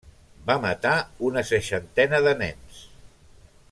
Va matar una seixantena de nens.